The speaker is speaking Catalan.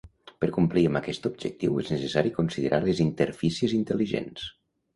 Per complir amb aquest objectiu és necessari considerar les interfícies intel·ligents.